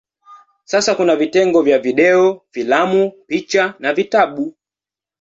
Sasa kuna vitengo vya video, filamu, picha na vitabu.